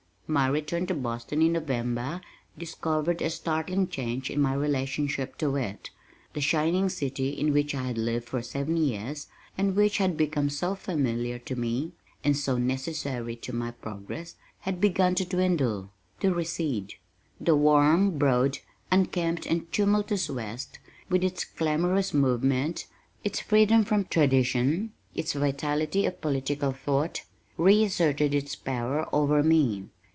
My return to Boston in November discovered a startling change in my relationship to it. The shining city in which I had lived for seven years, and which had become so familiar to me (and so necessary to my progress), had begun to dwindle, to recede. The warm, broad, unkempt and tumultuous west, with its clamorous movement, its freedom from tradition, its vitality of political thought, re asserted its power over me.